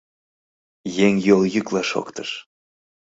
Еҥ йолйӱкла шоктыш.